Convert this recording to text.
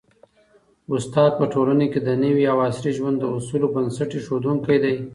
استاد په ټولنه کي د نوي او عصري ژوند د اصولو بنسټ ایښودونکی دی.